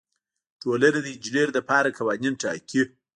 ټولنه د انجینر لپاره قوانین ټاکي.